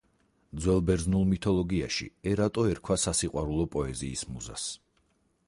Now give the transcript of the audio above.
ძველ ბერძნულ მითოლოგიაში ერატო ერქვა სასიყვარულო პოეზიის მუზას.